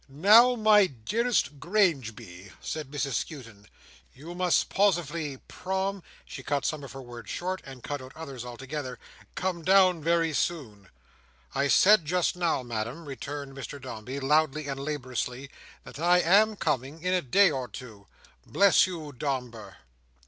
"Now, my dearest Grangeby," said Mrs Skewton, "you must posively prom," she cut some of her words short, and cut out others altogether, "come down very soon." "I said just now, Madam," returned Mr Dombey, loudly and laboriously, "that I am coming in a day or two." "Bless you, Domber!"